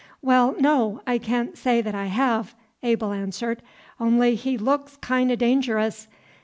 "W'll, no, I caan't say that I hev," Abel answered. "On'y he looks kin' o' dangerous.